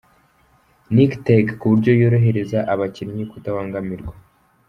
knit Tech ku buryo yorohereza abakinnyi kutabangamirwa